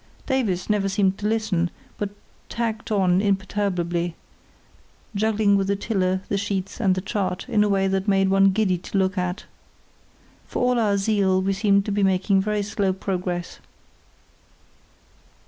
Davies never seemed to listen, but tacked on imperturbably, juggling with the tiller, the sheets, and the chart, in a way that made one giddy to look at. For all our zeal we seemed to be making very slow progress.